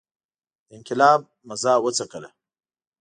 د انقلاب مزه وڅکله.